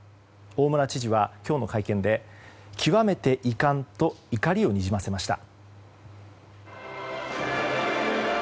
大村知事は今日の会見で極めて遺憾と怒りをにじませました。